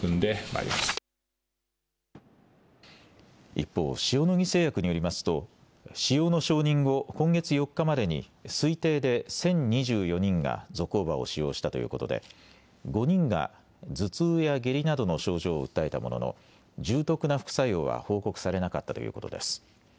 一方、塩野義製薬によりますと、使用の承認後、今月４日までに、推定で１０２４人がゾコーバを使用したということで、５人が頭痛や下痢などの症状を訴えたものの、重篤な副作用は報告されなかったということです。